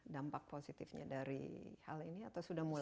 dampak positifnya dari hal ini atau sudah mulai